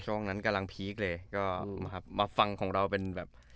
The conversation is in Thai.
ช่วงนั้นกำลังพีคเลยก็มาฟังของเราเป็นแบบ